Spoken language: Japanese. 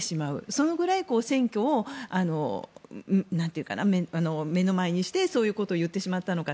そのぐらい選挙を目の前にしてそういうことを言ってしまったのか。